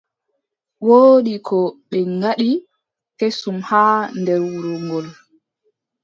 Woodi ko ɓe ngaddi kesum haa nder wuro ngol.